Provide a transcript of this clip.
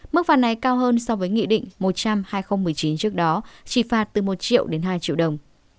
mức phạt này cao hơn so với nghị định một trăm linh hai nghìn một mươi chín trước đó chỉ phạt từ một triệu đến hai triệu đồng